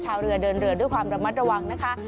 ชาวเรือเดินเรือด้วยความระมัดระวังนะคะ